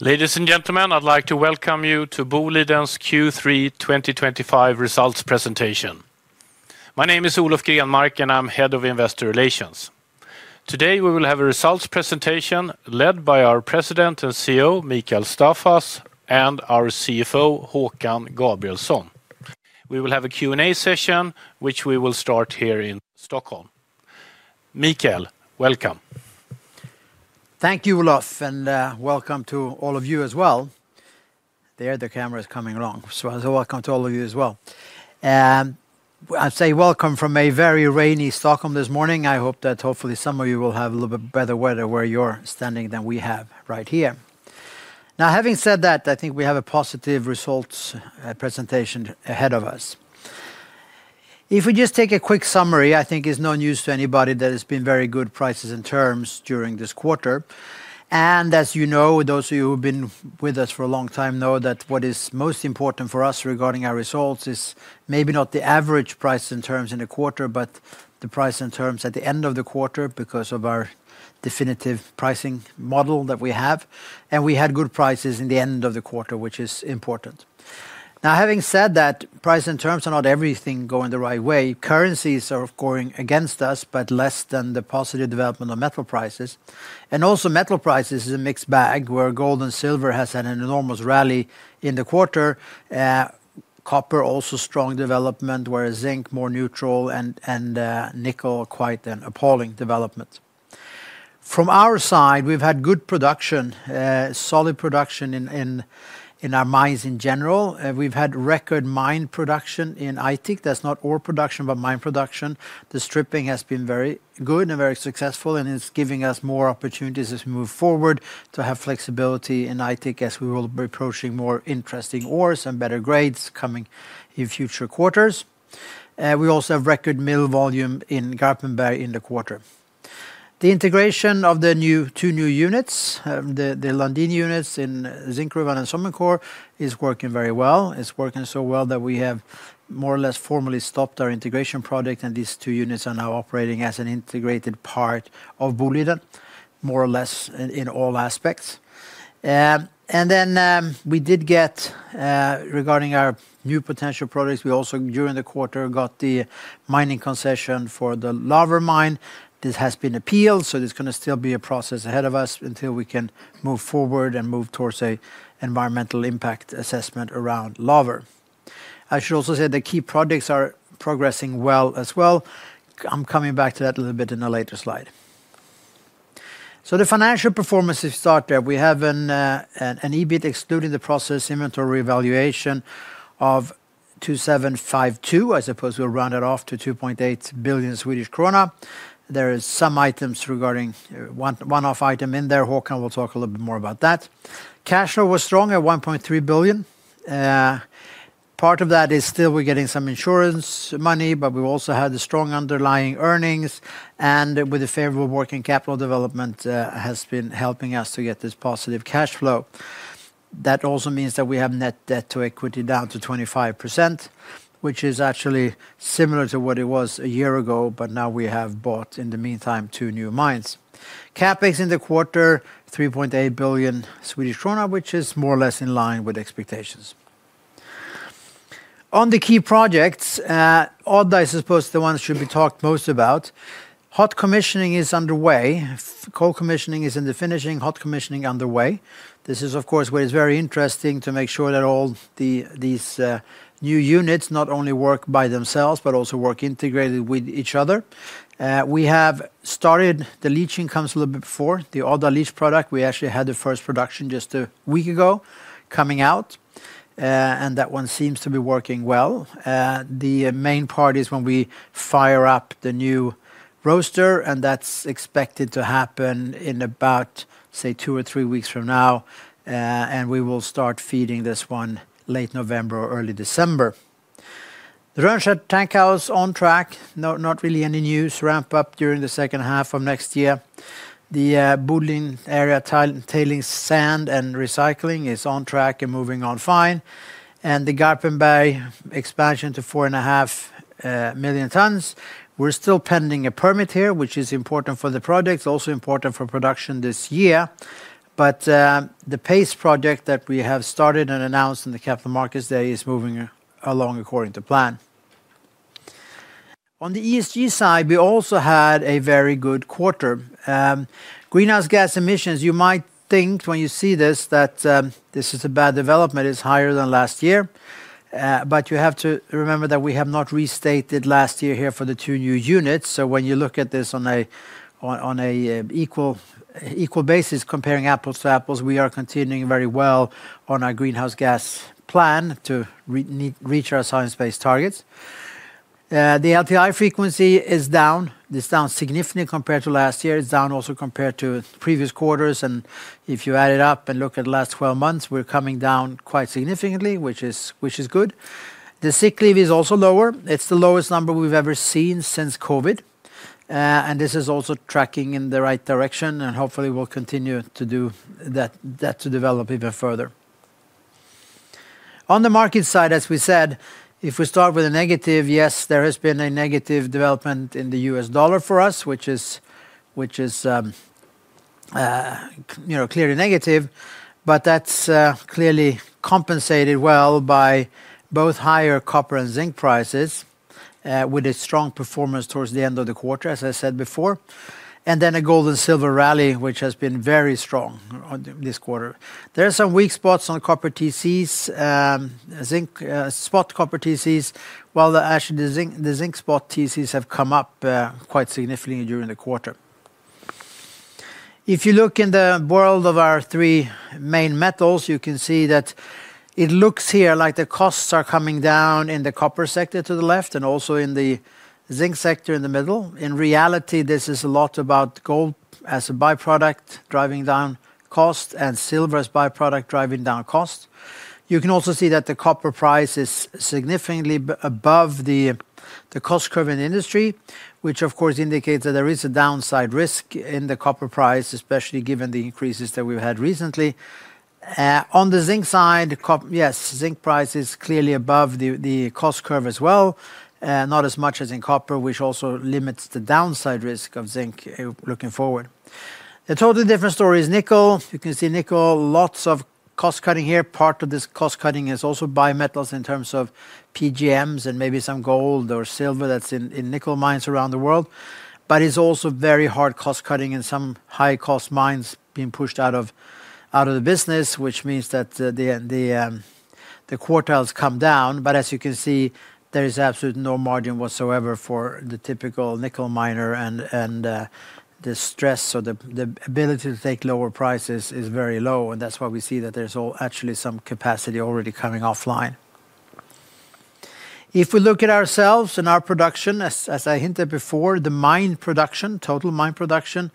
Ladies and gentlemen, I'd like to welcome you to Boliden's Q3 2025 results presentation. My name is Olof Grenmark, and I'm Head of Investor Relations. Today, we will have a results presentation led by our President and CEO, Mikael Staffas, and our CFO, Håkan Gabrielsson. We will have a Q&A session, which we will start here in Stockholm. Mikael, welcome. Thank you, Olof, and welcome to all of you as well. The camera is coming along, so welcome to all of you as well. I say welcome from a very rainy Stockholm this morning. I hope that hopefully some of you will have a little bit better weather where you're standing than we have right here. Now, having said that, I think we have a positive results presentation ahead of us. If we just take a quick summary, I think it's no news to anybody that it's been very good prices and terms during this quarter. As you know, those of you who've been with us for a long time know that what is most important for us regarding our results is maybe not the average price and terms in a quarter, but the price and terms at the end of the quarter because of our definitive pricing model that we have. We had good prices in the end of the quarter, which is important. Now, having said that, price and terms are not everything going the right way. Currencies are going against us, but less than the positive development of metal prices. Also, metal prices are a mixed bag where gold and silver have had an enormous rally in the quarter. Copper also strong development, whereas zinc more neutral, and nickel quite an appalling development. From our side, we've had good production, solid production in our mines in general. We've had record mine production in Aitik; that's not ore production, but mine production. The stripping has been very good and very successful, and it's giving us more opportunities as we move forward to have flexibility in Aitik as we will be approaching more interesting ores and better grades coming in future quarters. We also have record mill volume in Garpenberg in the quarter. The integration of the two new units, the Lundin units in Zinkgruvan and Sommerskär, is working very well. It's working so well that we have more or less formally stopped our integration project, and these two units are now operating as an integrated part of Boliden, more or less in all aspects. We did get, regarding our new potential projects, we also, during the quarter, got the mining concession for the Laver mine. This has been appealed, so there's going to still be a process ahead of us until we can move forward and move towards an environmental impact assessment around Laver. I should also say the key projects are progressing well as well. I'm coming back to that a little bit in a later slide. The financial performance to start there, we have an EBIT excluding the process inventory evaluation of 2.752 million. I suppose we'll round it off to 2.8 billion Swedish krona. There are some items regarding a one-off item in there. Håkan will talk a little bit more about that. Cash flow was strong at 1.3 billion. Part of that is still we're getting some insurance money, but we've also had strong underlying earnings, and with the favorable working capital development, it has been helping us to get this positive cash flow. That also means that we have net debt to equity down to 25%, which is actually similar to what it was a year ago, but now we have bought, in the meantime, two new mines. CapEx in the quarter 3.8 billion Swedish krona, which is more or less in line with expectations. On the key projects, Odda I suppose is the one that should be talked most about. Hot commissioning is underway. Cold commissioning is in the finishing. Hot commissioning is underway. This is, of course, what is very interesting to make sure that all these new units not only work by themselves, but also work integrated with each other. We have started the leaching comes a little bit before. The Odda leach product, we actually had the first production just a week ago coming out, and that one seems to be working well. The main part is when we fire up the new roaster, and that's expected to happen in about, say, two or three weeks from now, and we will start feeding this one late November or early December. The Rönnskär tank house on track, not really any news. Ramp-up during the second half of next year. The Boliden area tailing sand and recycling is on track and moving on fine. The Garpenberg expansion to 4.5 million tons, we're still pending a permit here, which is important for the projects, also important for production this year. The PACE project that we have started and announced in the Capital Markets Day is moving along according to plan. On the ESG side, we also had a very good quarter. Greenhouse gas emissions, you might think when you see this that this is a bad development. It's higher than last year, but you have to remember that we have not restated last year here for the two new units. When you look at this on an equal basis, comparing apples to apples, we are continuing very well on our greenhouse gas plan to reach our science-based targets. The LTI frequency is down. It's down significantly compared to last year. It's down also compared to previous quarters, and if you add it up and look at the last 12 months, we're coming down quite significantly, which is good. The sick leave is also lower. It's the lowest number we've ever seen since COVID, and this is also tracking in the right direction, and hopefully we'll continue to do that to develop even further. On the market side, as we said, if we start with a negative, yes, there has been a negative development in the US dollar for us, which is clearly negative, but that's clearly compensated well by both higher copper and zinc prices with a strong performance towards the end of the quarter, as I said before, and then a gold and silver rally, which has been very strong this quarter. There are some weak spots on copper TCs, zinc spot copper TCs, while actually the zinc spot TCs have come up quite significantly during the quarter. If you look in the world of our three main metals, you can see that it looks here like the costs are coming down in the copper sector to the left and also in the zinc sector in the middle. In reality, this is a lot about gold as a byproduct driving down cost and silver as a byproduct driving down cost. You can also see that the copper price is significantly above the cost curve in the industry, which of course indicates that there is a downside risk in the copper price, especially given the increases that we've had recently. On the zinc side, yes, zinc price is clearly above the cost curve as well, not as much as in copper, which also limits the downside risk of zinc looking forward. A totally different story is nickel. You can see nickel, lots of cost cutting here. Part of this cost cutting is also by metals in terms of PGMs and maybe some gold or silver that's in nickel mines around the world, but it's also very hard cost cutting in some high-cost mines being pushed out of the business, which means that the quartiles come down. As you can see, there is absolutely no margin whatsoever for the typical nickel miner, and the stress or the ability to take lower prices is very low, and that's why we see that there's actually some capacity already coming offline. If we look at ourselves and our production, as I hinted before, the mine production, total mine production,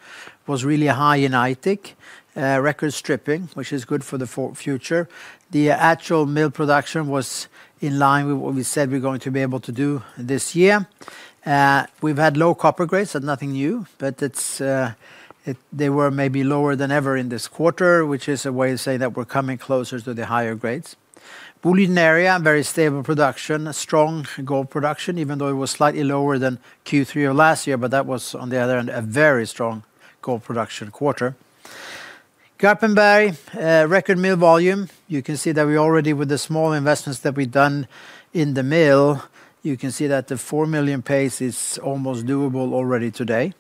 was really high in Aitik. Record stripping, which is good for the future. The actual mill production was in line with what we said we're going to be able to do this year. We've had low copper grades, that's nothing new, but they were maybe lower than ever in this quarter, which is a way of saying that we're coming closer to the higher grades. Boliden area, very stable production, strong gold production, even though it was slightly lower than Q3 of last year, but that was on the other end a very strong gold production quarter. Garpenberg, record mill volume. You can see that we already, with the small investments that we've done in the mill, you can see that the 4 million pace is almost doable already today.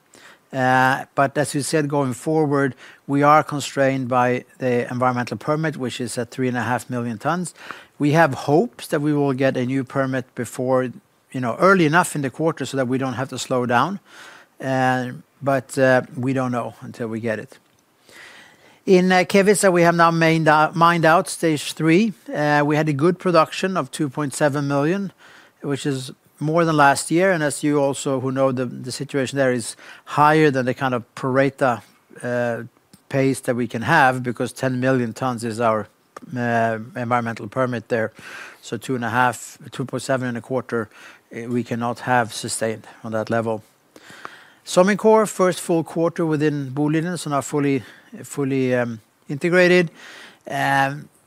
As we said, going forward, we are constrained by the environmental permit, which is at 3.5 million tons. We have hopes that we will get a new permit before, early enough in the quarter, so that we don't have to slow down, but we don't know until we get it. In Kevitsa, we have now mined out stage three. We had a good production of 2.7 million, which is more than last year, and as you also know, the situation there is higher than the kind of Paretta pace that we can have because 10 million tons is our environmental permit there. So 2.5 to 2.7 in a quarter, we cannot have sustained on that level. Sommerskär, first full quarter within Boliden, so now fully integrated,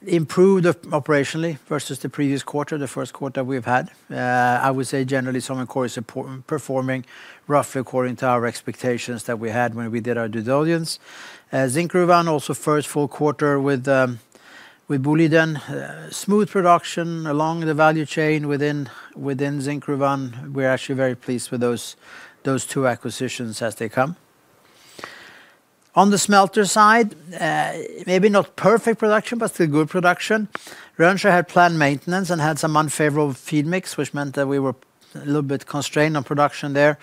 improved operationally versus the previous quarter, the first quarter we've had. I would say generally Sommerskär is performing roughly according to our expectations that we had when we did our due diligence. Zinkgruvan, also first full quarter with Boliden, smooth production along the value chain within Zinkgruvan. We're actually very pleased with those two acquisitions as they come. On the smelter side, maybe not perfect production, but still good production. Rönnskär had planned maintenance and had some unfavorable feed mix, which meant that we were a little bit constrained on production there.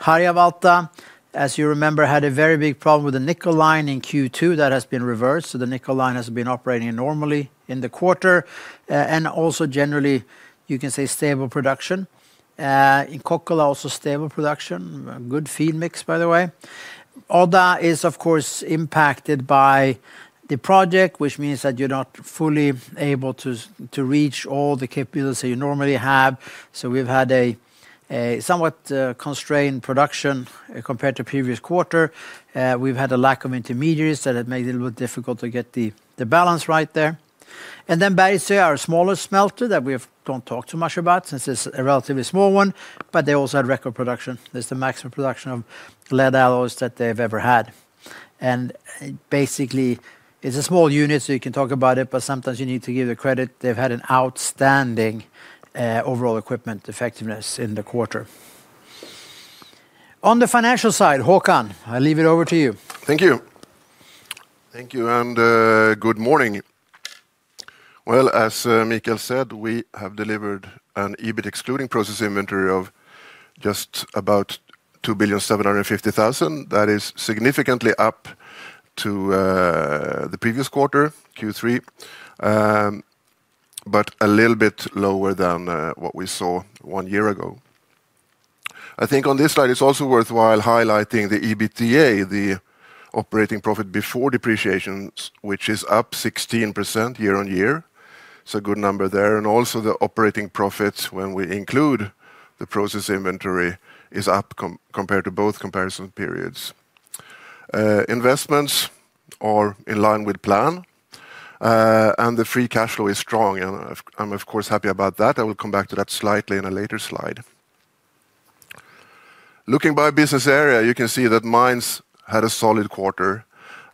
Harjavalta, as you remember, had a very big problem with the nickel line in Q2. That has been reversed, so the nickel line has been operating normally in the quarter, and also generally, you can say stable production. In Kokkola, also stable production, good feed mix, by the way. Odda is, of course, impacted by the project, which means that you're not fully able to reach all the capabilities that you normally have. We've had a somewhat constrained production compared to the previous quarter. We've had a lack of intermediaries that had made it a little bit difficult to get the balance right there. Bergsöe, our smaller smelter that we don't talk too much about since it's a relatively small one, also had record production. It's the maximum production of lead alloys that they've ever had. Basically, it's a small unit, so you can talk about it, but sometimes you need to give the credit. They've had an outstanding overall equipment effectiveness in the quarter. On the financial side, Håkan, I'll leave it over to you. Thank you. Thank you and good morning. As Mikael said, we have delivered an EBIT excluding process inventory of just about 2.75 billion. That is significantly up to the previous quarter, Q3, but a little bit lower than what we saw one year ago. I think on this slide, it's also worthwhile highlighting the EBITDA, the operating profit before depreciation, which is up 16% year-on-year. It's a good number there. Also, the operating profit when we include the process inventory is up compared to both comparison periods. Investments are in line with plan, and the free cash flow is strong. I'm of course happy about that. I will come back to that slightly in a later slide. Looking by business area, you can see that Mines had a solid quarter,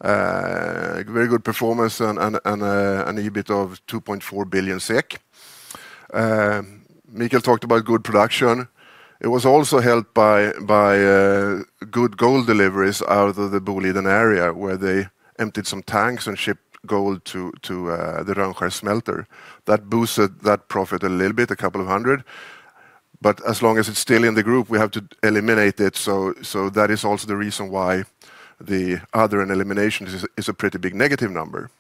very good performance, and an EBIT of 2.4 billion SEK. Mikael talked about good production. It was also helped by good gold deliveries out of the Boliden area where they emptied some tanks and shipped gold to the Rönnskär smelter. That boosted that profit a little bit, a couple of hundred. As long as it's still in the group, we have to eliminate it. That is also the reason why the other in elimination is a pretty big negative number.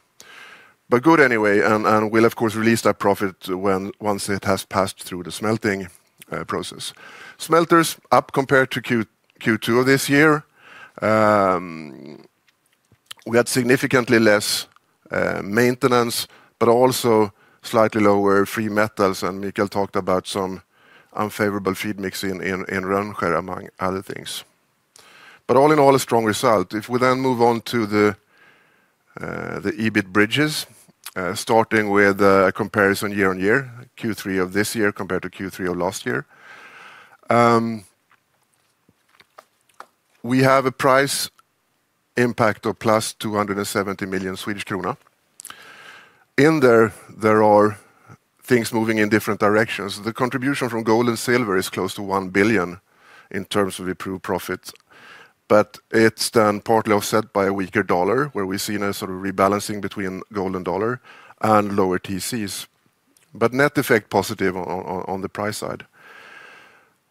Good anyway, and we'll of course release that profit once it has passed through the smelting process. Smelters up compared to Q2 of this year. We had significantly less maintenance, but also slightly lower free metals, and Mikael talked about some unfavorable feed mix in Rönnskär among other things. All in all, a strong result. If we then move on to the EBIT bridges, starting with a comparison year-on-year, Q3 of this year compared to Q3 of last year. We have a price impact of +270 million Swedish krona. In there, there are things moving in different directions. The contribution from gold and silver is close to 1 billion in terms of improved profits, but it's then partly offset by a weaker dollar where we've seen a sort of rebalancing between gold and dollar and lower TCs. Net effect positive on the price side.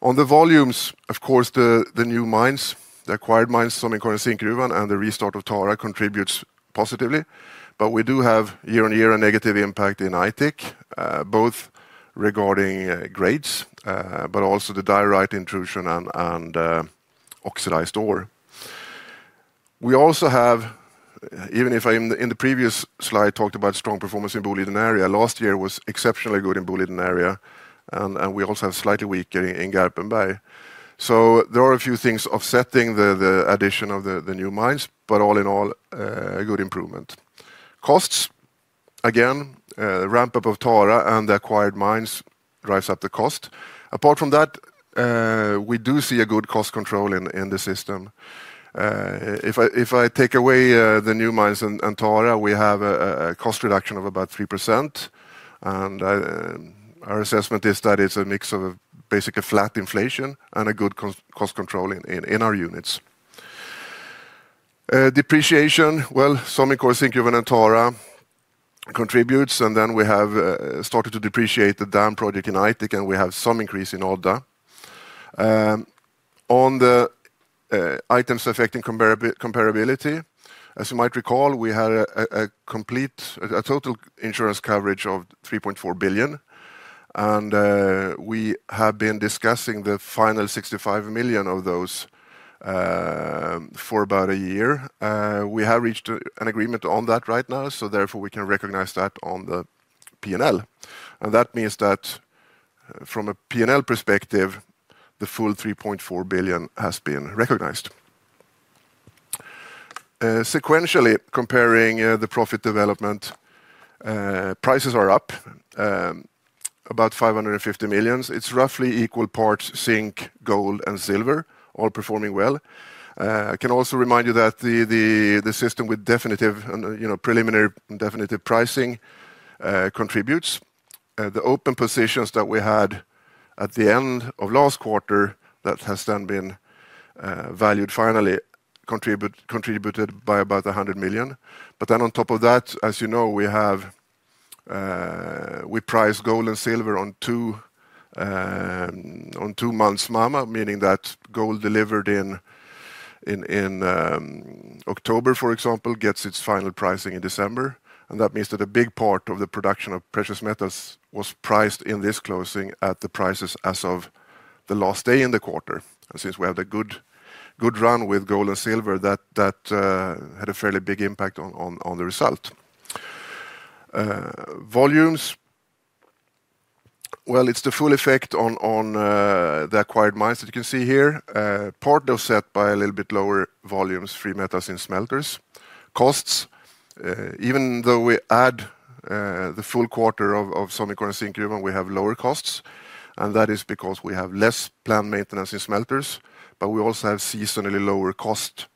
On the volumes, of course, the new mines, the acquired mines, Sommerskär and Zinkgruvan, and the restart of Tara contribute positively. We do have year on year a negative impact in Aitik, both regarding grades, but also the diorite intrusion and oxidized ore. We also have, even if I in the previous slide talked about strong performance in Boliden area, last year was exceptionally good in Boliden area, and we also have slightly weaker in Garpenberg. There are a few things offsetting the addition of the new mines, but all in all, a good improvement. Costs, again, the ramp-up of Tara and the acquired mines drives up the cost. Apart from that, we do see a good cost control in the system. If I take away the new mines and Tara, we have a cost reduction of about 3%, and our assessment is that it's a mix of basically flat inflation and a good cost control in our units. Depreciation, Sommerskär, Zinkgruvan, and Tara contribute, and then we have started to depreciate the dam project in Aitik, and we have some increase in Odda. On the items affecting comparability, as you might recall, we had a complete total insurance coverage of 3.4 billion, and we have been discussing the final 65 million of those for about a year. We have reached an agreement on that right now, so therefore we can recognize that on the P&L. That means that from a P&L perspective, the full 3.4 billion has been recognized. Sequentially, comparing the profit development, prices are up about 550 million. It's roughly equal parts zinc, gold, and silver, all performing well. I can also remind you that the system with definitive and preliminary definitive pricing contributes. The open positions that we had at the end of last quarter that has then been valued finally contributed by about 100 million. As you know, we price gold and silver on two months' mamma, meaning that gold delivered in October, for example, gets its final pricing in December. That means that a big part of the production of precious metals was priced in this closing at the prices as of the last day in the quarter. Since we have a good run with gold and silver, that had a fairly big impact on the result. Volumes, it's the full effect on the acquired mines that you can see here, part offset by a little bit lower volumes, free metals in smelters. Costs, even though we add the full quarter of Sommerskär and Zinkgruvan, we have lower costs, and that is because we have less planned maintenance in smelters, but we also have seasonally lower costs,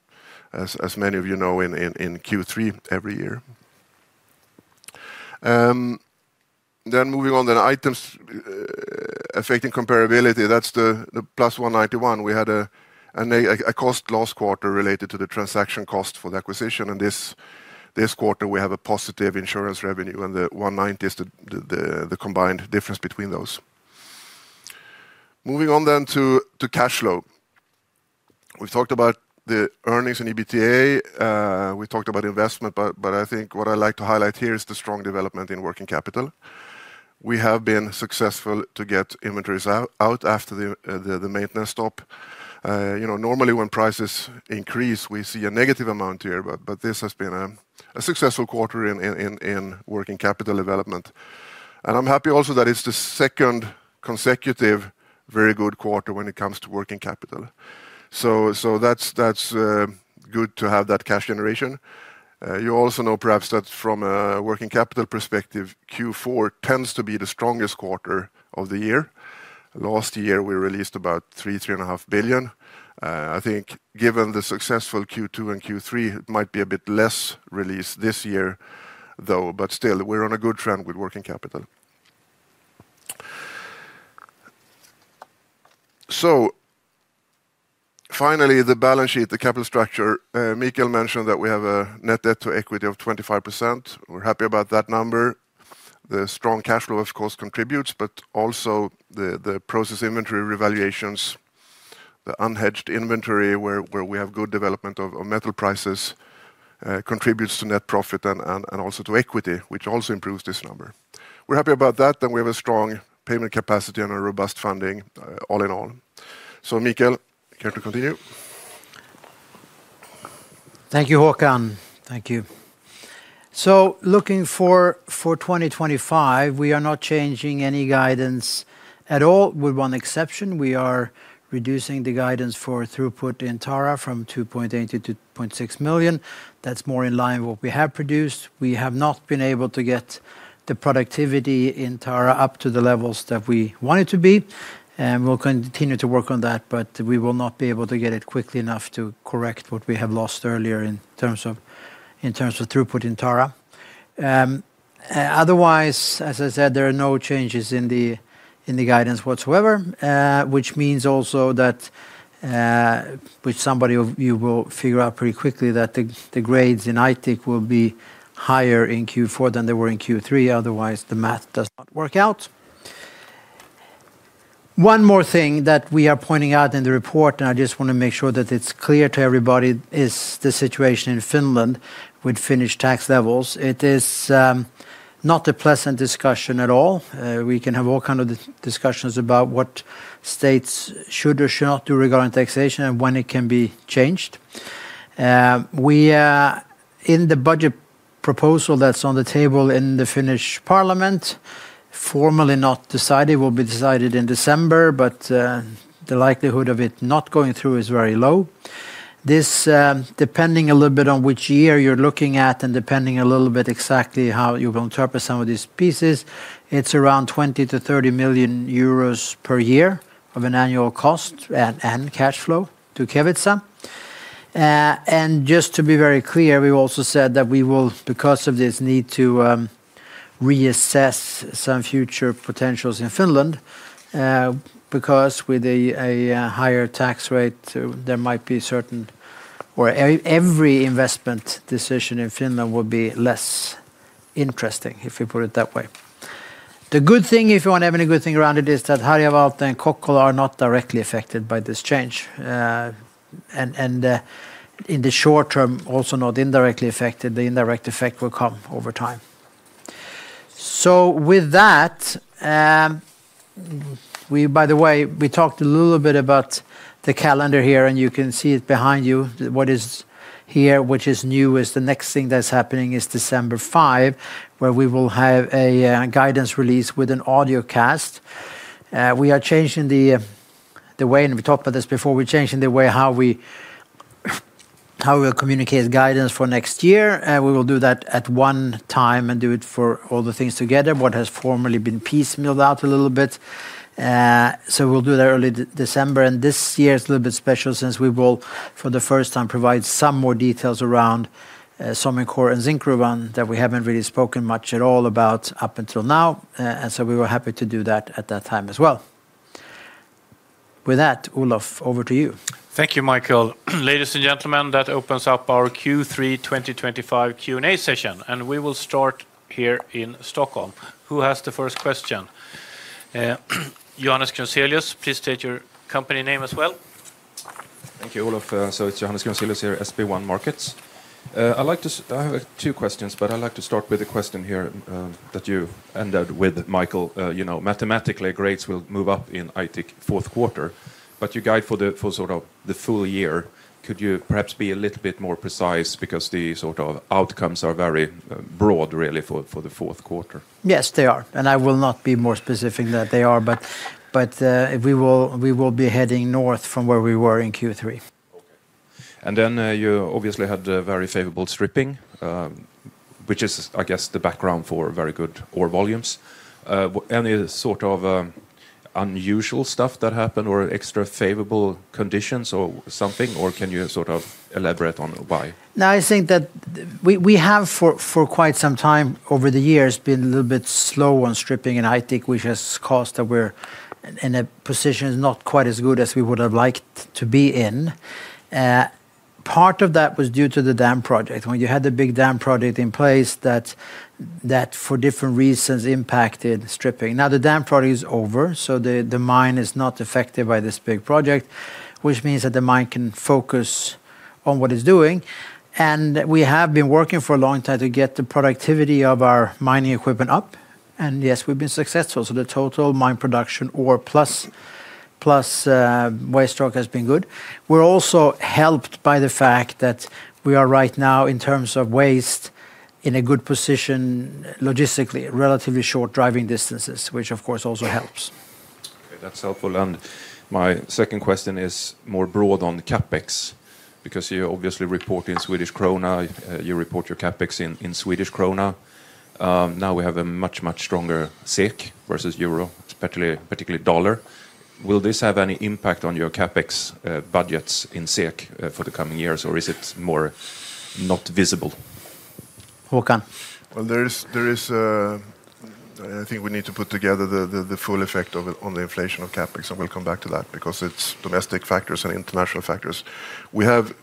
as many of you know, in Q3 every year. Moving on to items affecting comparability, that's the +191 million. We had a cost last quarter related to the transaction cost for the acquisition, and this quarter we have a positive insurance revenue, and the 190 million is the combined difference between those. Moving on to cash flow. We've talked about the earnings and EBITDA. We've talked about investment, but I think what I'd like to highlight here is the strong development in working capital. We have been successful to get inventories out after the maintenance stop. Normally when prices increase, we see a negative amount here, but this has been a successful quarter in working capital development. I'm happy also that it's the second consecutive very good quarter when it comes to working capital. That's good to have that cash generation. You also know perhaps that from a working capital perspective, Q4 tends to be the strongest quarter of the year. Last year we released about 3 billion, 3.5 billion. I think given the successful Q2 and Q3, it might be a bit less released this year though, but still we're on a good trend with working capital. Finally, the balance sheet, the capital structure, Mikael mentioned that we have a net debt to equity of 25%. We're happy about that number. The strong cash flow, of course, contributes, but also the process inventory revaluations, the unhedged inventory where we have good development of metal prices contributes to net profit and also to equity, which also improves this number. We're happy about that. We have a strong payment capacity and a robust funding all in all. Mikael, can you continue? Thank you, Håkan. Thank you. Looking for 2025, we are not changing any guidance at all, with one exception. We are reducing the guidance for throughput in Tara from 2.8 million-2.6 million. That's more in line with what we have produced. We have not been able to get the productivity in Tara up to the levels that we want it to be, and we'll continue to work on that, but we will not be able to get it quickly enough to correct what we have lost earlier in terms of throughput in Tara. Otherwise, as I said, there are no changes in the guidance whatsoever, which means also that, which some of you will figure out pretty quickly, the grades in Aitik will be higher in Q4 than they were in Q3. Otherwise, the math does not work out. One more thing that we are pointing out in the report, and I just want to make sure that it's clear to everybody, is the situation in Finland with Finnish tax levels. It is not a pleasant discussion at all. We can have all kinds of discussions about what states should or should not do regarding taxation and when it can be changed. In the budget proposal that's on the table in the Finnish parliament, formally not decided, will be decided in December, but the likelihood of it not going through is very low. This, depending a little bit on which year you're looking at and depending a little bit exactly how you will interpret some of these pieces, it's around 20 million- 30 million euros per year of an annual cost and cash flow to Kevitsa. Just to be very clear, we've also said that we will, because of this, need to reassess some future potentials in Finland, because with a higher tax rate, there might be certain or every investment decision in Finland will be less interesting, if we put it that way. The good thing, if you want to have any good thing around it, is that Harjavalta and Kokkola are not directly affected by this change. In the short term, also not indirectly affected. The indirect effect will come over time. We talked a little bit about the calendar here, and you can see it behind you. What is here, which is new, is the next thing that's happening is December 5, where we will have a guidance release with an audio cast. We are changing the way, and we talked about this before, we're changing the way how we will communicate guidance for next year. We will do that at one time and do it for all the things together. What has formally been piecemealed out a little bit. We'll do that early December. This year is a little bit special since we will, for the first time, provide some more details around Sommerskär and Zinkgruvan that we haven't really spoken much at all about up until now. We were happy to do that at that time as well. With that, Olof, over to you. Thank you, Mikael. Ladies and gentlemen, that opens up our Q3 2025 Q&A session, and we will start here in Stockholm. Who has the first question? Johannes Gonselius, please state your company name as well. Thank you, Olof. It's Johannes Gonselius here, SEB Markets. I have two questions, but I'd like to start with a question here that you ended with, Mikael. You know, mathematically, grades will move up in Aitik fourth quarter, but you guide for the full year. Could you perhaps be a little bit more precise because the sort of outcomes are very broad, really, for the fourth quarter? Yes, they are, and I will not be more specific than they are, but we will be heading north from where we were in Q3. Okay. You obviously had very favorable stripping, which is, I guess, the background for very good ore volumes. Any sort of unusual stuff that happened or extra favorable conditions or something, or can you elaborate on why? No, I think that we have for quite some time over the years been a little bit slow on stripping in Aitik, which has caused that we're in a position that's not quite as good as we would have liked to be in. Part of that was due to the dam project. When you had the big dam project in place, that for different reasons impacted stripping. Now the dam project is over, so the mine is not affected by this big project, which means that the mine can focus on what it's doing. We have been working for a long time to get the productivity of our mining equipment up, and yes, we've been successful. The total mine production ore plus waste stock has been good. We're also helped by the fact that we are right now in terms of waste in a good position logistically, relatively short driving distances, which of course also helps. Okay, that's helpful. My second question is more broad on CapEx because you obviously report in Swedish krona. You report your CapEx in Swedish krona. Now we have a much, much stronger SEK versus euro, particularly dollar. Will this have any impact on your CapEx budgets in SEK for the coming years, or is it more not visible? Håkan? I think we need to put together the full effect on the inflation of CapEx, and we'll come back to that because it's domestic factors and international factors. We have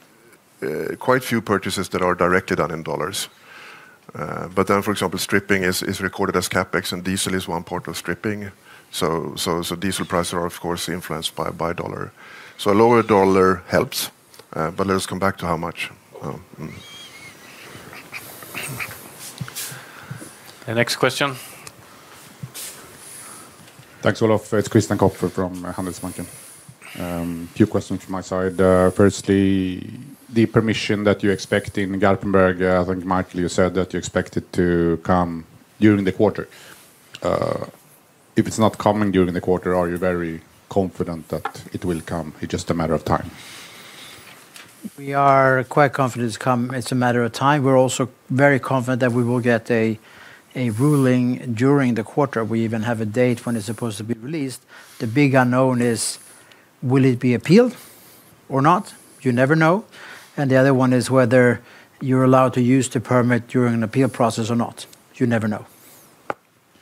quite a few purchases that are directly done in dollars, but then, for example, stripping is recorded as CapEx, and diesel is one part of stripping. Diesel prices are, of course, influenced by dollar. A lower dollar helps, but let us come back to how much. Next question. Thanks, Olof. It's Christian Kopfer from Handelsbanken. A few questions from my side. Firstly, the permission that you expect in Garpenberg, I think Mikael, you said that you expect it to come during the quarter. If it's not coming during the quarter, are you very confident that it will come? It's just a matter of time? We are quite confident it's coming. It's a matter of time. We're also very confident that we will get a ruling during the quarter. We even have a date when it's supposed to be released. The big unknown is, will it be appealed or not? You never know. The other one is whether you're allowed to use the permit during an appeal process or not. You never know.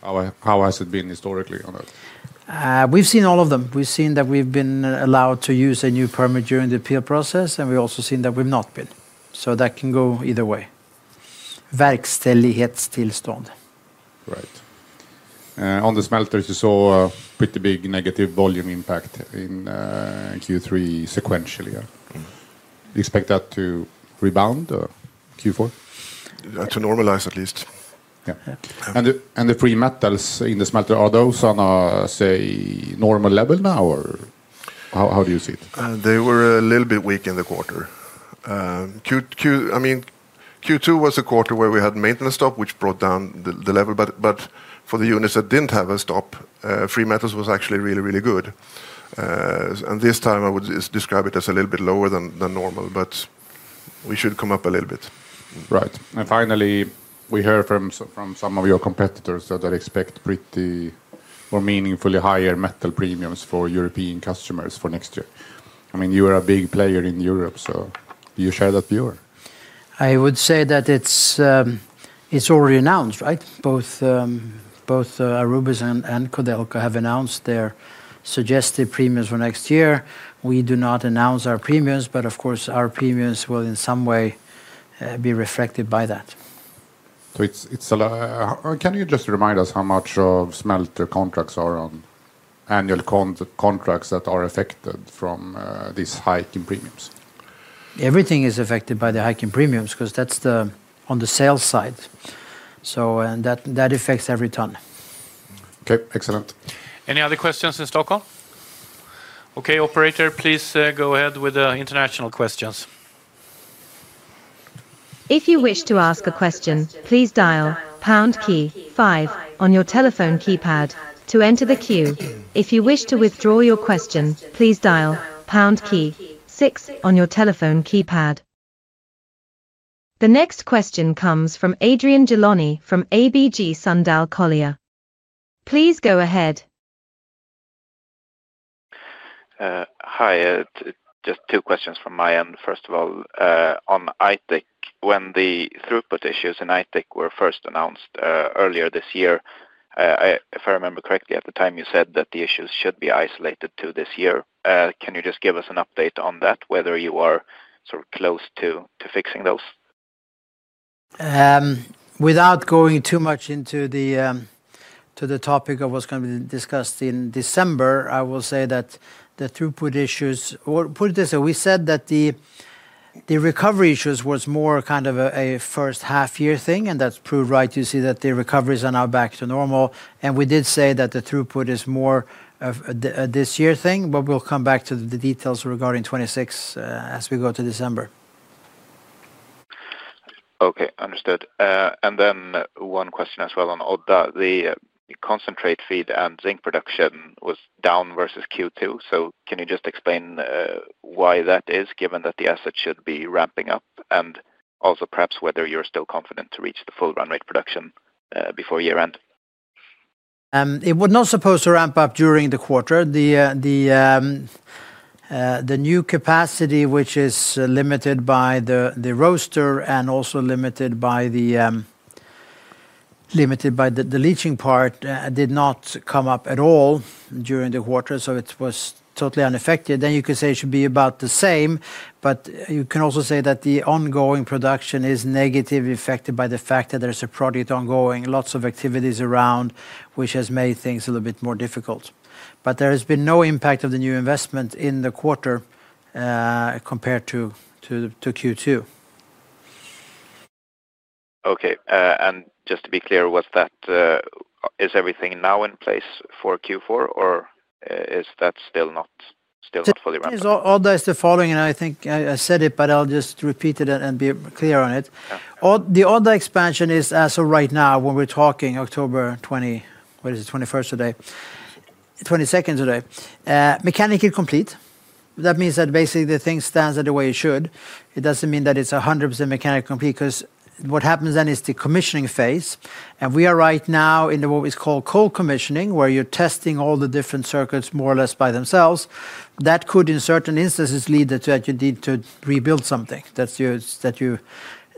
How has it been historically on that? We've seen all of them. We've seen that we've been allowed to use a new permit during the appeal process, and we've also seen that we've not been. That can go either way. Verkställighetstillstånd. Right. On the smelters, you saw a pretty big negative volume impact in Q3 sequentially. Expect that to rebound Q4? To normalize at least. Are the free metals in the smelter on a normal level now, or how do you see it? They were a little bit weak in the quarter. Q2 was a quarter where we had a maintenance stop, which brought down the level, but for the units that didn't have a stop, free metals was actually really, really good. This time, I would describe it as a little bit lower than normal, but we should come up a little bit. Right. Finally, we heard from some of your competitors that expect pretty or meaningfully higher metal premiums for European customers for next year. You are a big player in Europe, so do you share that view? I would say that it's already announced, right? Both Aurubis and Codelco have announced their suggested premiums for next year. We do not announce our premiums, but of course, our premiums will in some way be reflected by that. Can you just remind us how much of smelter contracts are on annual contracts that are affected from this hike in premiums? Everything is affected by the hike in premiums, because that's on the sales side. That affects every ton. Okay, excellent. Any other questions in Stockholm? Okay, operator, please go ahead with the international questions. If you wish to ask a question, please dial pound key five on your telephone keypad to enter the queue. If you wish to withdraw your question, please dial pound key six on your telephone keypad. The next question comes from Adrian Gilani from ABG Sundal Collier. Please go ahead. Hi, just two questions from my end. First of all, on Aitik, when the throughput issues in Aitik were first announced earlier this year, if I remember correctly, at the time you said that the issues should be isolated to this year. Can you just give us an update on that, whether you are sort of close to fixing those? Without going too much into the topic of what's going to be discussed in December, I will say that the throughput issues, or put it this way, we said that the recovery issues were more kind of a first half year thing, and that's proved right. You see that the recoveries are now back to normal, and we did say that the throughput is more of a this year thing, but we'll come back to the details regarding 2026 as we go to December. Okay, understood. One question as well on Odda. The concentrate feed and zinc production was down versus Q2. Can you just explain why that is, given that the asset should be ramping up, and also perhaps whether you're still confident to reach the full run rate production before year end? It was not supposed to ramp up during the quarter. The new capacity, which is limited by the roaster and also limited by the leaching part, did not come up at all during the quarter, so it was totally unaffected. You can say it should be about the same, but you can also say that the ongoing production is negatively affected by the fact that there's a project ongoing, lots of activities around, which has made things a little bit more difficult. There has been no impact of the new investment in the quarter compared to Q2. Okay, and just to be clear, is everything now in place for Q4, or is that still not fully ramped up? Odda is the following, and I think I said it, but I'll just repeat it and be clear on it. The Odda expansion is as of right now, when we're talking October 22nd today, mechanically complete. That means that basically the thing stands the way it should. It doesn't mean that it's 100% mechanically complete because what happens then is the commissioning phase, and we are right now in what we call cold commissioning, where you're testing all the different circuits more or less by themselves. That could in certain instances lead to that you need to rebuild something, that you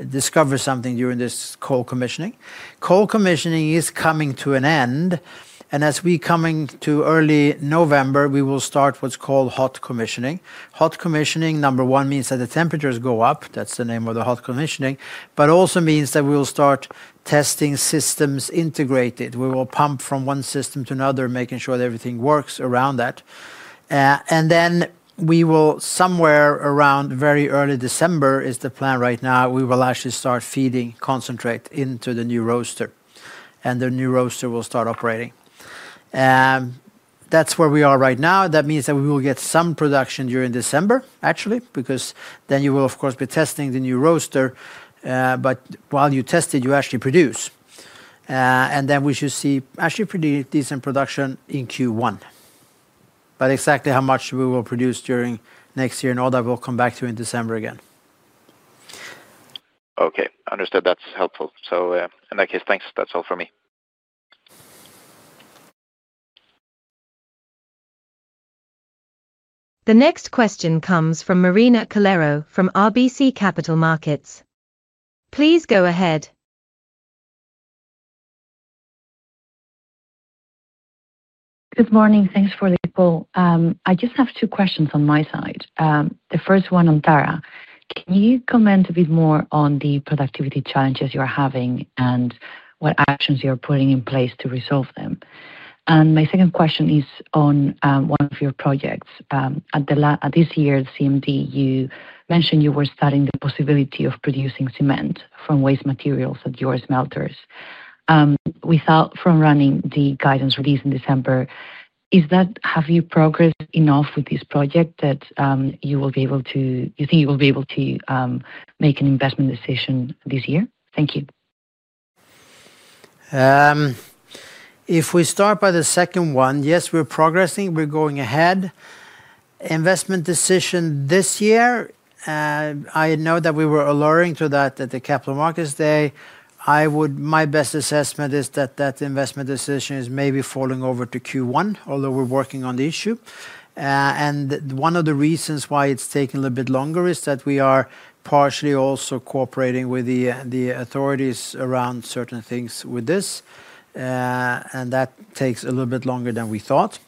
discover something during this cold commissioning. Cold commissioning is coming to an end, and as we're coming to early November, we will start what's called hot commissioning. Hot commissioning, number one, means that the temperatures go up. That's the name of the hot commissioning, but it also means that we will start testing systems integrated. We will pump from one system to another, making sure that everything works around that. We will somewhere around very early December is the plan right now. We will actually start feeding concentrate into the new roaster, and the new roaster will start operating. That's where we are right now. That means that we will get some production during December, actually, because then you will of course be testing the new roaster, but while you test it, you actually produce. We should see actually pretty decent production in Q1. Exactly how much we will produce during next year in Odda will come back to you in December again. Okay, understood. That's helpful. In that case, thanks. That's all for me. The next question comes from Marina Calero from RBC Capital Markets. Please go ahead. Good morning. Thanks for the call. I just have two questions on my side. The first one on Tara. Can you comment a bit more on the productivity challenges you are having and what actions you are putting in place to resolve them? My second question is on one of your projects. At this year's CMD, you mentioned you were studying the possibility of producing cement from waste materials at your smelters. Without from running the guidance release in December, have you progressed enough with this project that you think you will be able to make an investment decision this year? Thank you. If we start by the second one, yes, we're progressing. We're going ahead. Investment decision this year, I know that we were alerting to that at the Capital Markets Day. My best assessment is that that investment decision is maybe falling over to Q1, although we're working on the issue. One of the reasons why it's taken a little bit longer is that we are partially also cooperating with the authorities around certain things with this, and that takes a little bit longer than we thought.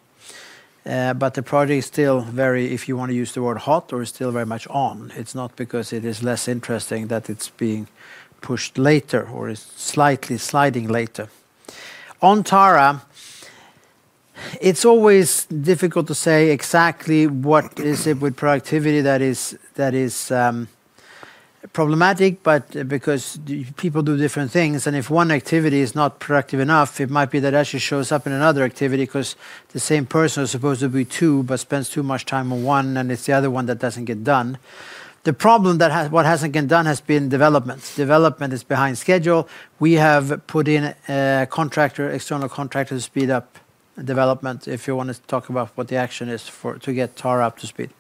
The project is still very, if you want to use the word hot, or is still very much on. It's not because it is less interesting that it's being pushed later or is slightly sliding later. On Tara, it's always difficult to say exactly what is it with productivity that is problematic, because people do different things, and if one activity is not productive enough, it might be that it actually shows up in another activity because the same person is supposed to be two, but spends too much time on one, and it's the other one that doesn't get done. The problem that what hasn't been done has been development. Development is behind schedule. We have put in a contractor, external contractor to speed up development, if you want to talk about what the action is to get Tara up to speed.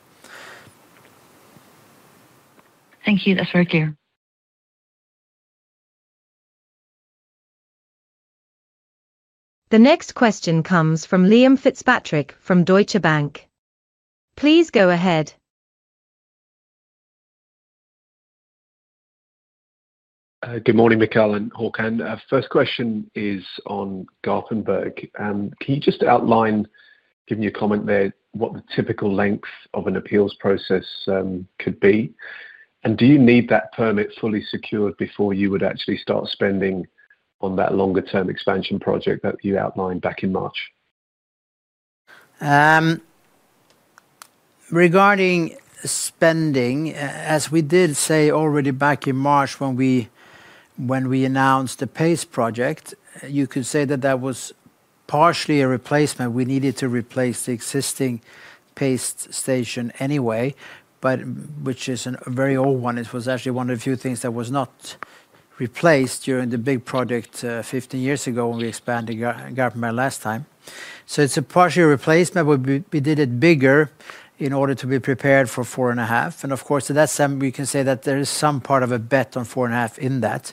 Thank you. That's very clear. The next question comes from Liam Fitzpatrick from Deutsche Bank. Please go ahead. Good morning, Mikael and Håkan. First question is on Garpenberg. Can you just outline, give me a comment there, what the typical length of an appeals process could be? Do you need that permit fully secured before you would actually start spending on that longer-term expansion project that you outlined back in March? Regarding spending, as we did say already back in March when we announced the PACE project, you could say that that was partially a replacement. We needed to replace the existing PACE station anyway, which is a very old one. It was actually one of the few things that was not replaced during the big project 15 years ago when we expanded Garpenberg last time. It is a partial replacement, but we did it bigger in order to be prepared for 4.5. At that time, we can say that there is some part of a bet on 4.5 in that.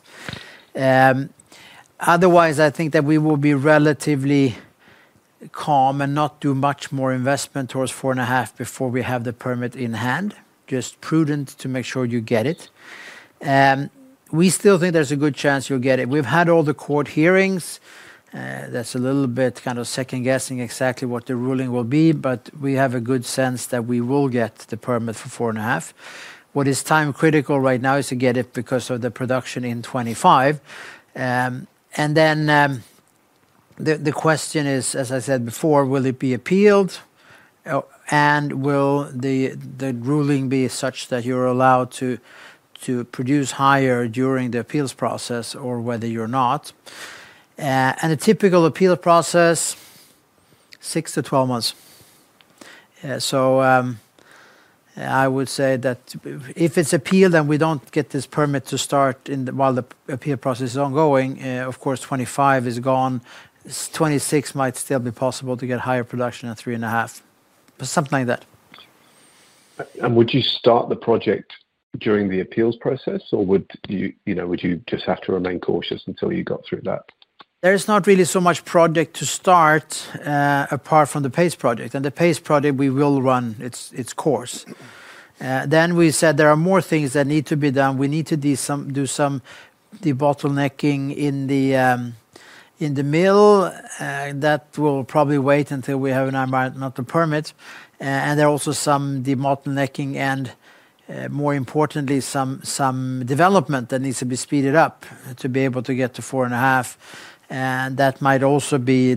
Otherwise, I think that we will be relatively calm and not do much more investment towards 4.5 before we have the permit in hand. It is just prudent to make sure you get it. We still think there's a good chance you'll get it. We've had all the court hearings. That is a little bit kind of second-guessing exactly what the ruling will be, but we have a good sense that we will get the permit for 4.5. What is time-critical right now is to get it because of the production in 2025. The question is, as I said before, will it be appealed? Will the ruling be such that you're allowed to produce higher during the appeals process or whether you're not? The typical appeal process is six to 12 months. I would say that if it's appealed and we don't get this permit to start while the appeal process is ongoing, 2025 is gone. 2026 might still be possible to get higher production at 3.5, but something like that. Would you start the project during the appeals process, or would you just have to remain cautious until you got through that? There is not really so much project to start apart from the PACE project. The PACE project will run its course. There are more things that need to be done. We need to do some de-bottlenecking in the mill. That will probably wait until we have an environmental permit. There are also some de-bottlenecking and, more importantly, some development that needs to be speeded up to be able to get to 4.5. That might also be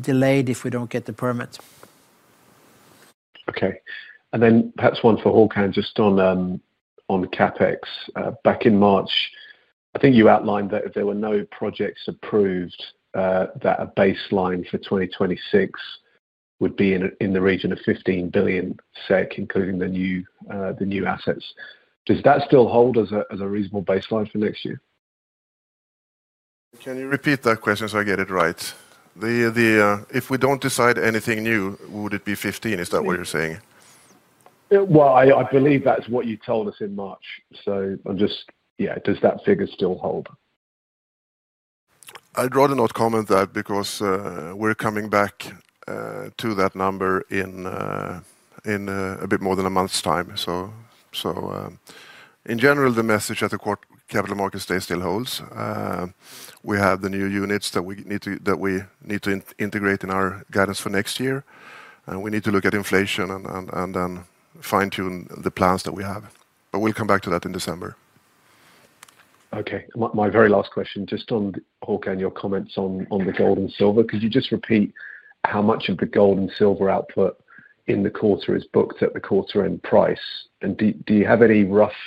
delayed if we don't get the permit. Okay. And then perhaps one for Håkan, just on CapEx. Back in March, I think you outlined that if there were no projects approved, that a baseline for 2026 would be in the region of 15 billion SEK, including the new assets. Does that still hold as a reasonable baseline for next year? Can you repeat that question so I get it right? If we don't decide anything new, would it be 15 billion? Is that what you're saying? That's what you told us in March. Does that figure still hold? I'd rather not comment on that because we're coming back to that number in a bit more than a month's time. In general, the message at the Capital Markets Day still holds. We have the new units that we need to integrate in our guidance for next year. We need to look at inflation and then fine-tune the plans that we have. We'll come back to that in December. Okay. My very last question, just on Håkan, your comments on the gold and silver. Could you just repeat how much of the gold and silver output in the quarter is booked at the quarter-end price? Do you have any rough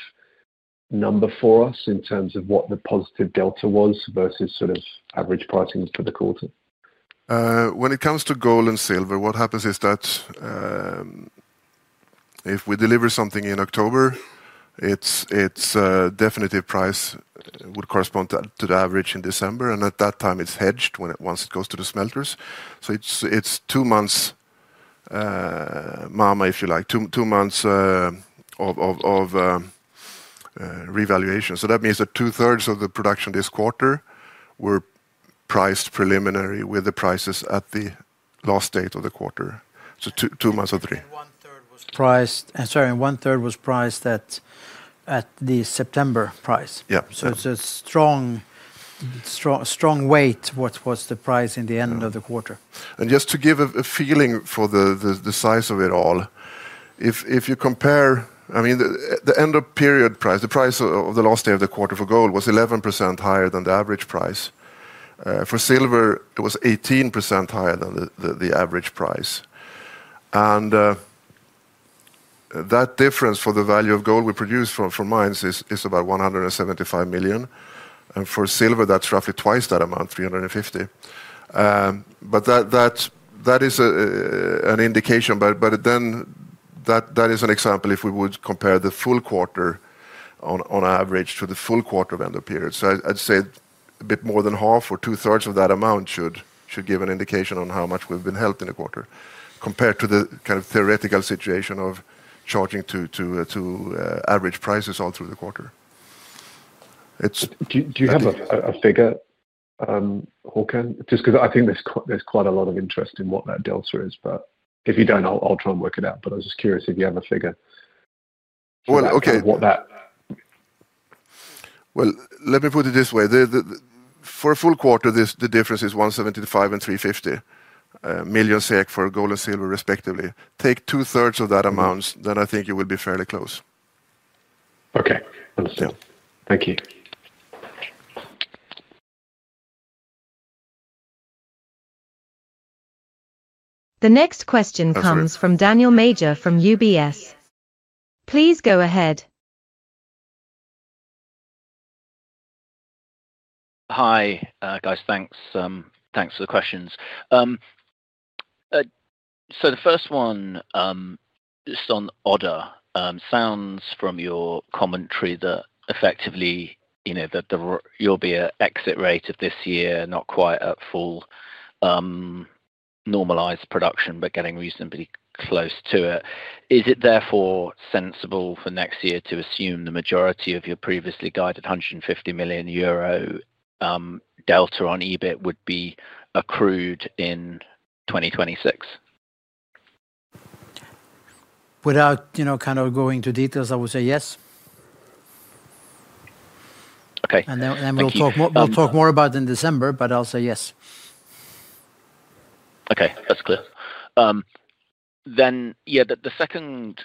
number for us in terms of what the positive delta was versus sort of average pricing for the quarter? When it comes to gold and silver, what happens is that if we deliver something in October, its definitive price would correspond to the average in December. At that time, it's hedged once it goes to the smelters. It's two months, if you like, two months of revaluation. That means that two-thirds of the production this quarter were priced preliminary with the prices at the last date of the quarter. So two months of three. One-third was priced at the September price. It's a strong weight, what's the price in the end of the quarter. Just to give a feeling for the size of it all, if you compare, I mean, the end-of-period price, the price of the last day of the quarter for gold was 11% higher than the average price. For silver, it was 18% higher than the average price. That difference for the value of gold we produce from mines is about 175 million. For silver, that's roughly twice that amount, 350 million. That is an indication, that is an example if we would compare the full quarter on average to the full quarter of end-of-period. I'd say a bit more than half or two-thirds of that amount should give an indication on how much we've been helped in a quarter compared to the kind of theoretical situation of charging to average prices all through the quarter. Do you have a figure, Håkan? I think there's quite a lot of interest in what that delta is. If you don't, I'll try and work it out. I was just curious if you have a figure. Let me put it this way. For a full quarter, the difference is 175 million and 350 million SEK for gold and silver, respectively. Take two-thirds of that amount, then I think you will be fairly close. Okay. Understood. Thank you. The next question comes from Daniel Major from UBS. Please go ahead. Hi guys, thanks. Thanks for the questions. The first one is on Odda. Sounds from your commentary that effectively, you know, that there will be an exit rate of this year, not quite at full normalized production, but getting reasonably close to it. Is it therefore sensible for next year to assume the majority of your previously guided 150 million euro delta on EBIT would be accrued in 2026? Without going into details, I would say yes. Okay. We'll talk more about it in December, but I'll say yes. Okay, that's clear. The second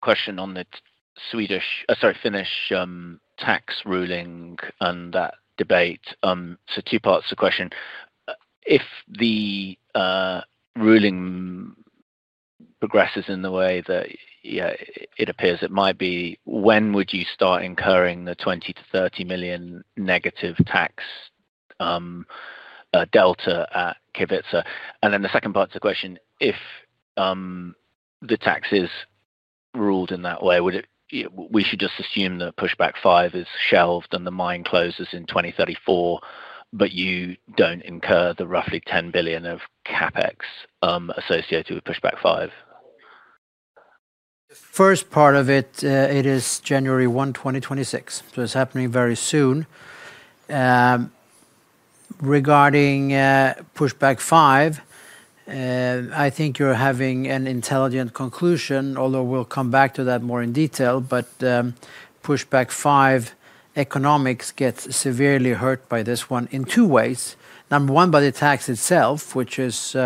question on the Swedish, sorry, Finnish tax ruling and that debate. Two parts of the question. If the ruling progresses in the way that it appears it might be, when would you start incurring the million-30 million negative tax delta at Kevitsa? The second part of the question, if the tax is ruled in that way, should we just assume that pushback five is shelved and the mine closes in 2034, but you don't incur the roughly 10 billion of CapEx associated with pushback five? The first part of it, it is January 1, 2026. It's happening very soon. Regarding pushback five, I think you're having an intelligent conclusion, although we'll come back to that more in detail. Pushback five economics gets severely hurt by this one in two ways. Number one, by the tax itself, which is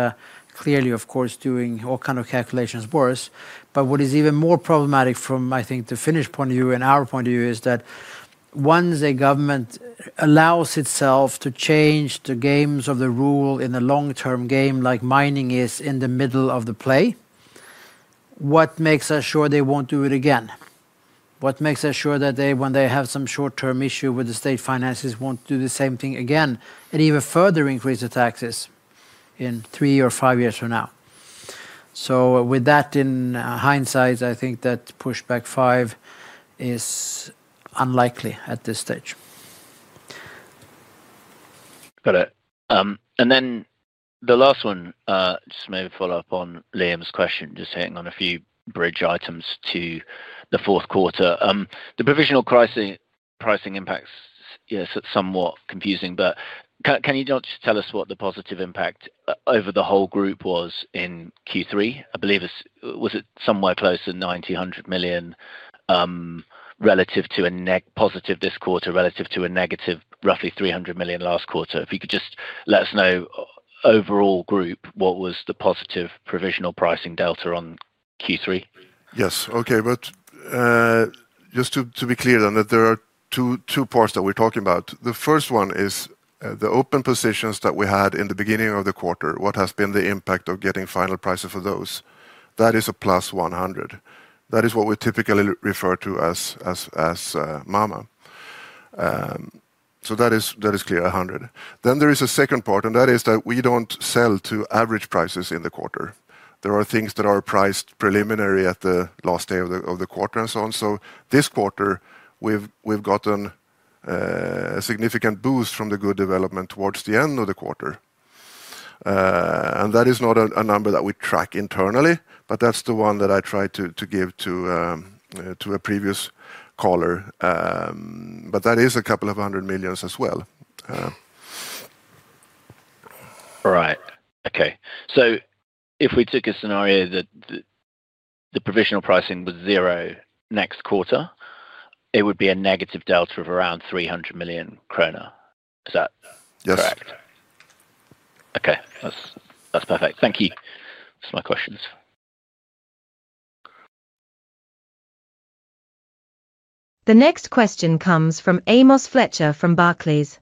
clearly, of course, doing all kinds of calculations worse. What is even more problematic from, I think, the Finnish point of view and our point of view is that once a government allows itself to change the rules of the game in the long-term game, like mining is in the middle of the play, what makes us sure they won't do it again? What makes us sure that when they have some short-term issue with the state finances, they won't do the same thing again and even further increase the taxes in three or five years from now? With that in hindsight, I think that pushback five is unlikely at this stage. Got it. And then the last one, just maybe follow up on Liam's question, just hitting on a few bridge items to the fourth quarter. The provisional pricing impacts, yeah, somewhat confusing, but can you just tell us what the positive impact over the whole group was in Q3? I believe it was somewhere close to 900 million relative to a positive this quarter relative to a negative roughly 300 million last quarter. If you could just let us know overall group, what was the positive provisional pricing delta on Q3? Yes. Okay, but just to be clear then that there are two parts that we're talking about. The first one is the open positions that we had in the beginning of the quarter. What has been the impact of getting final prices for those? That is a +100 million. That is what we typically refer to as mamma. So that is clear, 100 million. There is a second part, and that is that we don't sell to average prices in the quarter. There are things that are priced preliminary at the last day of the quarter and so on. This quarter, we've gotten a significant boost from the good development towards the end of the quarter. That is not a number that we track internally, but that's the one that I tried to give to a previous caller. That is a couple of hundred million as well. All right. Okay. If we took a scenario that the provisional pricing was zero next quarter, it would be a negative delta of around 300 million kronor. Is that correct? Yes. Okay. That's perfect. Thank you. That's my questions. The next question comes from Amos Fletcher from Barclays.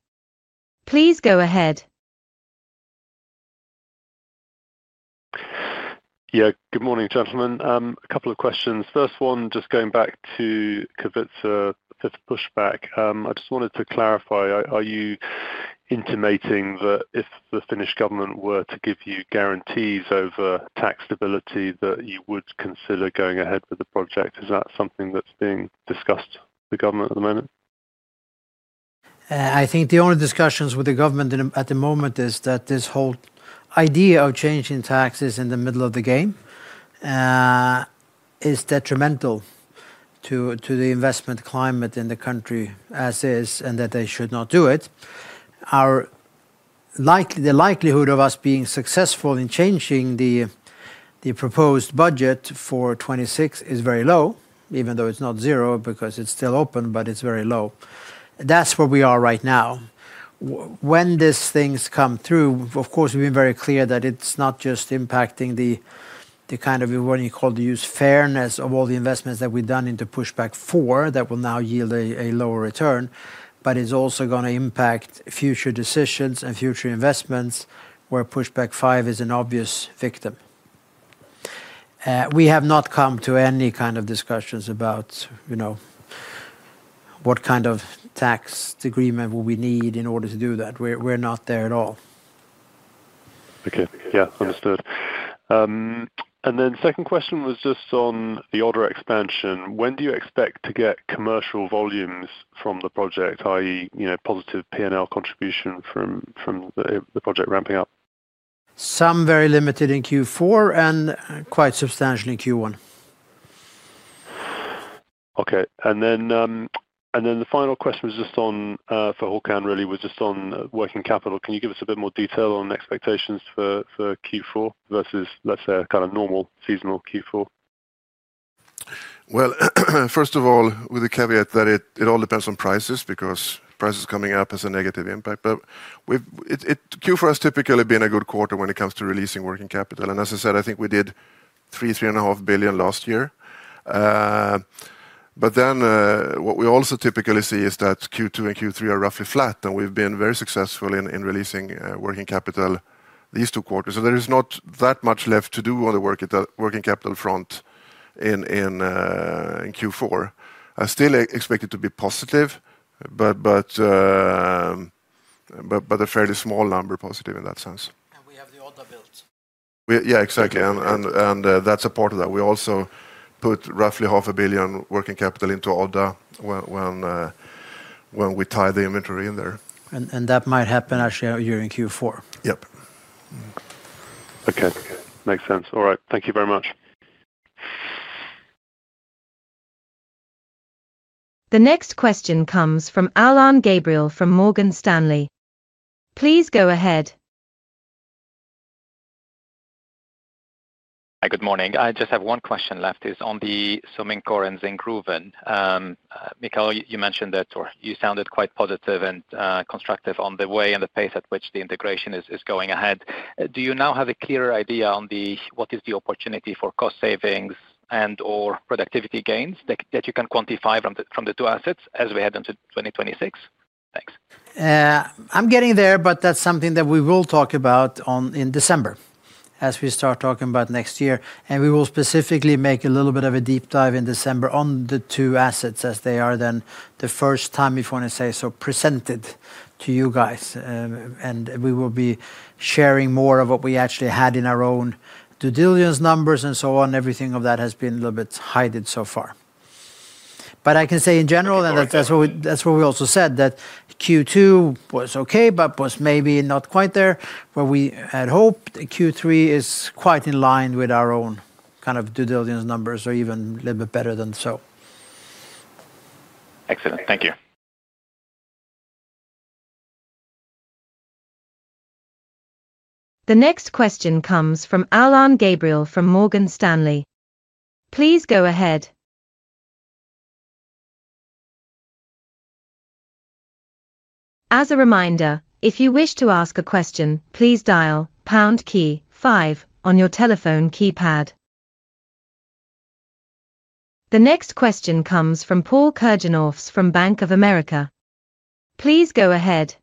Please go ahead. Good morning, gentlemen. A couple of questions. First one, just going back to Kevitsa with the pushback. I just wanted to clarify, are you intimating that if the Finnish government were to give you guarantees over tax stability, you would consider going ahead with the project? Is that something that's being discussed with the government at the moment? I think the only discussions with the government at the moment is that this whole idea of changing taxes in the middle of the game is detrimental to the investment climate in the country as is, and that they should not do it. The likelihood of us being successful in changing the proposed budget for 2026 is very low, even though it's not zero because it's still open, but it's very low. That's where we are right now. When these things come through, of course, we've been very clear that it's not just impacting the kind of, what do you call, fairness of all the investments that we've done into pushback four that will now yield a lower return, but it's also going to impact future decisions and future investments where pushback five is an obvious victim. We have not come to any kind of discussions about what kind of tax agreement will we need in order to do that. We're not there at all. Okay. Yeah. Understood. The second question was just on the order expansion. When do you expect to get commercial volumes from the project, i.e., positive P&L contribution from the project ramping up? Some very limited in Q4, and quite substantial in Q1. Okay. The final question was just on, for Håkan really, just on working capital. Can you give us a bit more detail on expectations for Q4 versus, let's say, a kind of normal seasonal Q4? First of all, with the caveat that it all depends on prices because prices coming up has a negative impact. Q4 has typically been a good quarter when it comes to releasing working capital. As I said, I think we did 3 billion, 3.5 billion last year. What we also typically see is that Q2 and Q3 are roughly flat, and we've been very successful in releasing working capital these two quarters. There is not that much left to do on the working capital front in Q4. I still expect it to be positive, but a fairly small number positive in that sense. We have the Odda build. Yeah, exactly. That's a part of that. We also put roughly 0.5 billion SEK working capital into Odda when we tie the inventory in there. That might happen actually during Q4. Yep. Okay. Makes sense. All right, thank you very much. The next question comes from Alain Gabriel from Morgan Stanley. Please go ahead. Hi, good morning. I just have one question left. It's on the Sommerskär and Zinkgruvan. Mikael, you mentioned that you sounded quite positive and constructive on the way and the pace at which the integration is going ahead. Do you now have a clearer idea on what is the opportunity for cost savings and/or productivity gains that you can quantify from the two assets as we head into 2026? Thanks. I'm getting there, but that's something that we will talk about in December as we start talking about next year. We will specifically make a little bit of a deep dive in December on the two assets as they are then the first time, if you want to say so, presented to you guys. We will be sharing more of what we actually had in our own due diligence numbers and so on. Everything of that has been a little bit hidden so far. I can say in general, and that's what we also said, that Q2 was okay, but was maybe not quite there where we had hoped. Q3 is quite in line with our own kind of due diligence numbers or even a little bit better than so. Excellent. Thank you. The next question comes from Alain Gabriel from Morgan Stanley. Please go ahead. As a reminder, if you wish to ask a question, please dial pound key five on your telephone keypad. The next question comes from Paul Kirjanovs from Bank of America. Please go ahead.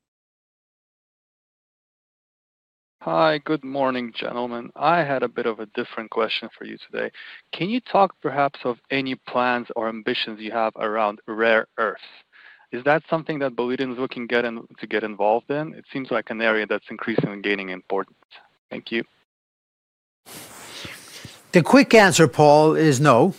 Hi, good morning, gentlemen. I had a bit of a different question for you today. Can you talk perhaps of any plans or ambitions you have around rare earths? Is that something that Boliden's looking to get involved in? It seems like an area that's increasingly gaining importance. Thank you. The quick answer, Paul, is no.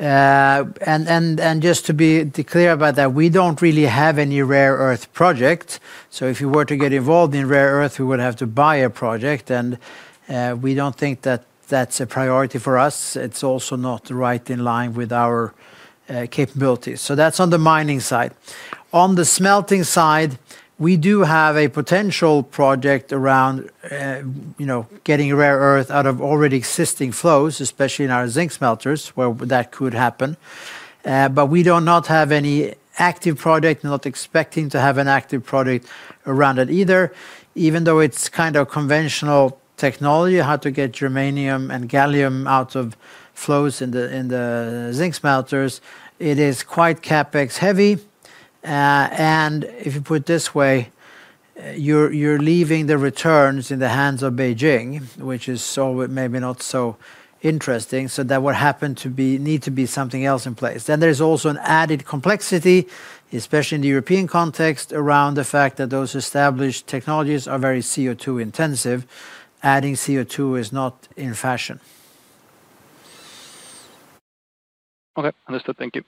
Just to be clear about that, we don't really have any Rare Earth project. If you were to get involved in Rare Earth, we would have to buy a project. We don't think that that's a priority for us. It's also not right in line with our capabilities. That's on the mining side. On the smelting side, we do have a potential project around getting Rare Earth out of already existing flows, especially in our zinc smelters, where that could happen. We do not have any active project. We're not expecting to have an active project around it either. Even though it's kind of conventional technology, how to get germanium and gallium out of flows in the zinc smelters, it is quite CapEx heavy. If you put it this way, you're leaving the returns in the hands of Beijing, which is maybe not so interesting. That would happen to need to be something else in place. There's also an added complexity, especially in the European context, around the fact that those established technologies are very CO2 intensive. Adding CO2 is not in fashion. Okay, understood. Thank you.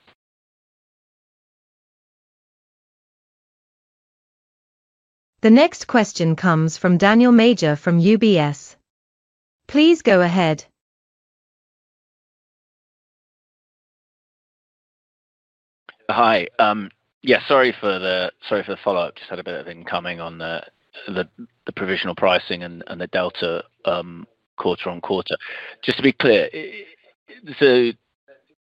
The next question comes from Daniel Major from UBS. Please go ahead. Hi, sorry for the follow-up. Just had a bit of incoming on the provisional pricing and the delta quarter on quarter. Just to be clear, the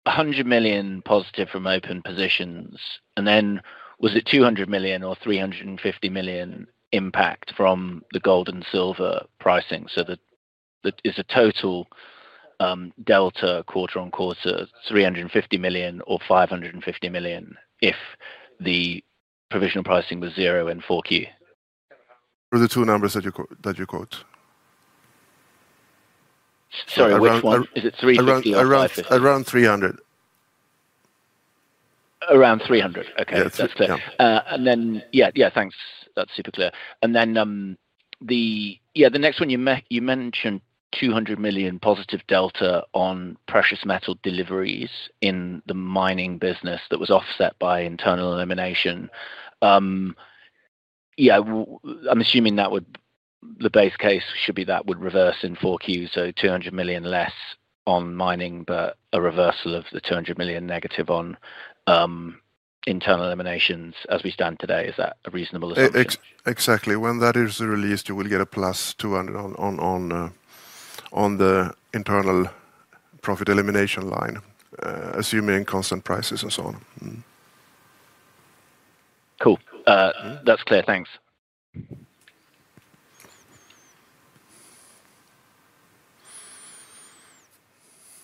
100 million positive from open positions, and then was it 200 million or 350 million impact from the gold and silver pricing? Is the total delta quarter on quarter 350 million or 550 million if the provisional pricing was zero in Q4? For the two numbers that you quote. Sorry, which one? Is it 3Q or 5F? Around 300 million. Around SEK 300 million. Okay. Yeah, that's clear. Thank you, that's super clear. You mentioned 200 million positive delta on precious metal deliveries in the mining business that was offset by internal elimination. I'm assuming the base case should be that would reverse in Q4, so 200 million less on mining, but a reversal of the 200 million negative on internal eliminations as we stand today. Is that a reasonable assumption? Exactly. When that is released, you will get a +200 million on the internal profit elimination line, assuming constant prices and so on. Cool. That's clear. Thanks.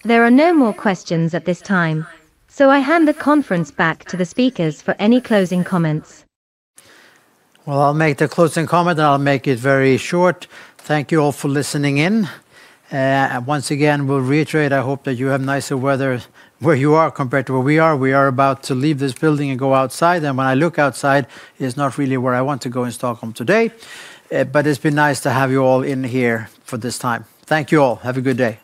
There are no more questions at this time. I hand the conference back to the speakers for any closing comments. I'll make the closing comment and I'll make it very short. Thank you all for listening in. Once again, we'll reiterate, I hope that you have nicer weather where you are compared to where we are. We are about to leave this building and go outside. When I look outside, it's not really where I want to go in Stockholm today. It's been nice to have you all in here for this time. Thank you all. Have a good day.